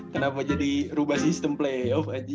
kenapa jadi rubah sistem play off aja